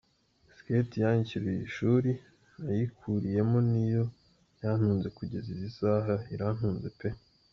Skate yanyishyuriye ishuri, nayikuriyemo niyo yantunze kugeza izi saha irantunze pe.